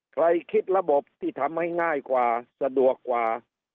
ใครคิดระบบที่ทำให้ง่ายกว่าสะดวกกว่า